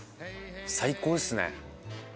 最高ですね。